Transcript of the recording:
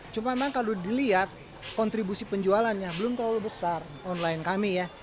cuma memang kalau dilihat kontribusi penjualannya belum terlalu besar online kami ya